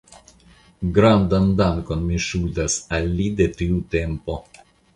Grandan dankon mi ŝuldas al li de tiu tempo.